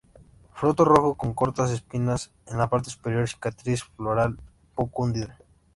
Fruto rojo con cortas espinas en la parte superior, cicatriz floral poco hundida.